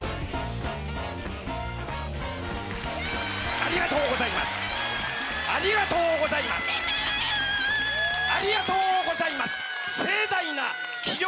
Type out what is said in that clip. ありがとうございます。